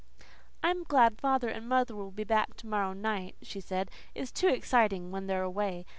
"I'm glad father and mother will be back to morrow night," she said. "It's too exciting when they're away.